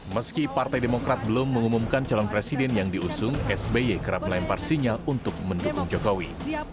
meski partai demokrat belum mengumumkan calon presiden yang diusung sby kerap melempar sinyal untuk mendukung jokowi